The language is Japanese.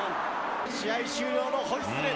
試合終了のホイッスル。